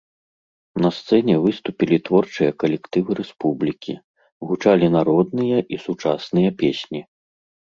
На сцэне выступілі творчыя калектывы рэспублікі, гучалі народныя і сучасныя песні.